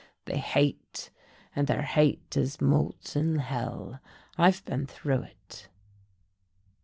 "They hate, and their hate is molten hell. I've been through it."